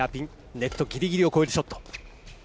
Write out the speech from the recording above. ネットギリギリを越えるショット。